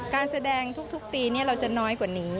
การแสดงทุกปีเราจะน้อยกว่านี้